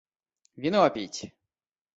Вино пить!